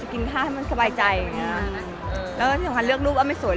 เจอเจอเกิดเรื่องเลย